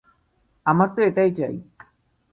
আমার তো এটাই চাই।